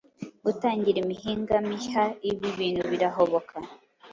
gutangira imihinga mihya Ibi bintu birahoboka